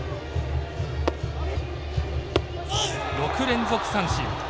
６連続三振。